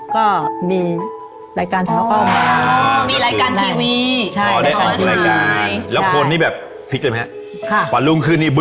ก็มีรายการพบ